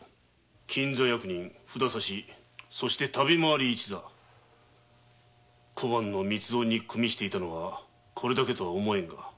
金座役人札差そして旅回りの一座小判の密造に組していたのはこれだけとは思えんが。